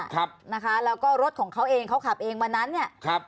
ครับนะคะแล้วก็รถของเขาเองเขาขับเองวันนั้นเนี่ยครับ